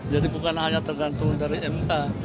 jadi bukan hanya tergantung dari mk